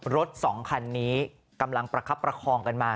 รถสองคันนี้กำลังประคับประคองกันมา